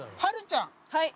はい。